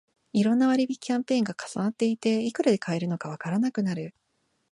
いろんな割引キャンペーンが重なっていて、いくらで買えるのかわからなくなる